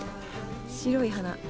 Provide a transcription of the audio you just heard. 白い花。